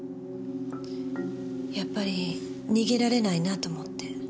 やっぱり逃げられないなと思って。